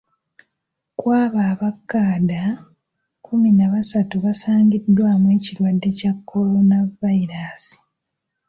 Kwabo abaakadda, kumi na basatu basangiddwamu ekirwadde kya coronavirus.